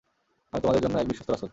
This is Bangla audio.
আমি তোমাদের জন্যে এক বিশ্বস্ত রাসূল।